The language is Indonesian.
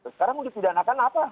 sekarang dipidanakan apa